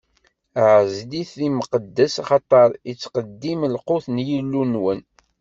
Ɛezl-it d imqeddes, axaṭer ittqeddim lqut n Yillu-nwen.